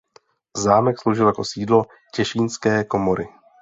Zámek sloužil jako sídlo Těšínské komory.